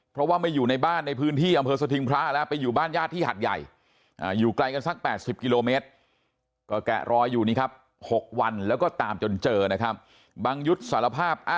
เพราะว่าไม่อยู่ในบ้านในพื้นที่หรือพื้นที่บ้านสวทิงพระ